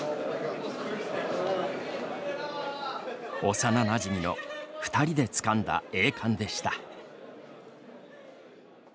幼なじみの二人でつかんだ栄冠でした。